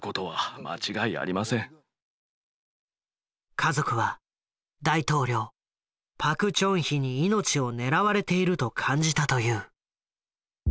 家族は大統領パク・チョンヒに命を狙われていると感じたという。